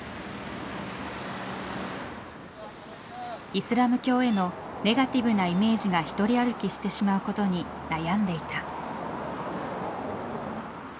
イスラム教へのネガティブなイメージが独り歩きしてしまうことに悩んでいた。